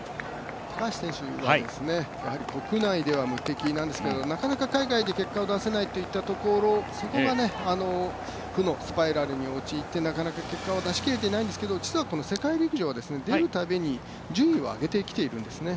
高橋選手は国内では無敵なんですけどなかなか、海外で結果を出せないというところそこが負のスパイラルに陥って、なかなか結果を出しきれていないんですけど実は、この世界陸上は出るたびに順位を上げてきているんですね。